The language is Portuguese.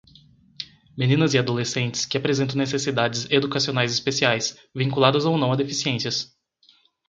meninas e adolescentes que apresentam necessidades educacionais especiais, vinculadas ou não a deficiências.